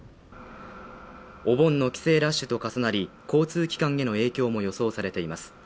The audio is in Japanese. お盆の帰省ラッシュと重なり交通機関への影響も予想されています